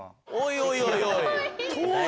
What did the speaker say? おいおいおい